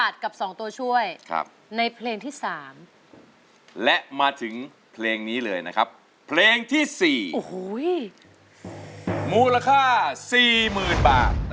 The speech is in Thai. แต่ถ้าเล่นต่อแล้วร้องผิดก็จะเหลือ๕๐๐๐บาท